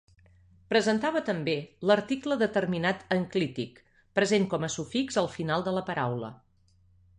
Presentava també l'article determinat enclític, present com a sufix al final de la paraula.